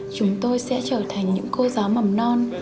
chúng tôi sẽ trở thành những cô giáo mầm non